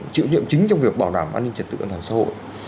chịu nhiệm chính trong việc bảo đảm an ninh trật tự an toàn xã hội